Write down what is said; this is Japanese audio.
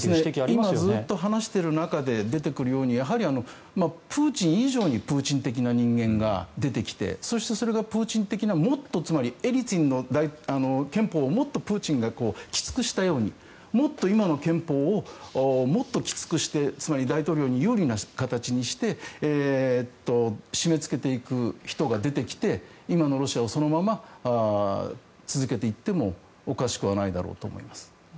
今ずっと話している中で出てくるようにやはりプーチン以上にプーチン的な人間が出てきてそしてそれがプーチン的なもっとつまりエリツィンの憲法をもっとプーチンがきつくしたようにもっと今の憲法をもっときつくしてつまり大統領に有利な形にして締めつけていく人が出てきて今のロシアをそのまま続けていってもおかしくはないだろうと思います。